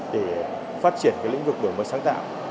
để phát triển lĩnh vực đổi mới sáng tạo